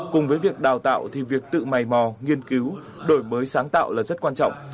cùng với việc đào tạo thì việc tự mày mò nghiên cứu đổi mới sáng tạo là rất quan trọng